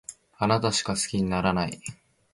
あなたしか好きにならない